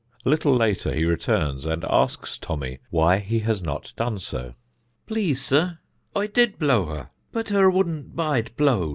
A little later he returns, and asks Tommy why he has not done so. "Please, sir, I did blow her, but her wouldn't bide blowed."